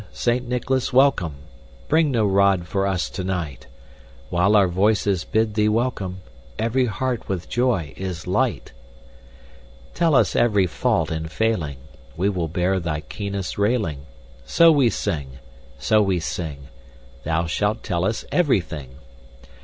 Saint Nicholas, welcome! Bring no rod for us tonight! While our voices bid thee welcome, Every heart with joy is light! Tell us every fault and failing, We will bear thy keenest railing, So we sing so we sing Thou shalt tell us everything!